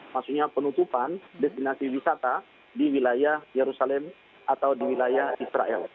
maksudnya penutupan destinasi wisata di wilayah yerusalem atau di wilayah israel